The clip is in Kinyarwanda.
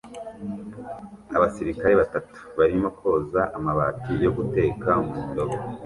Abasirikare batatu barimo koza amabati yo guteka mu ndobo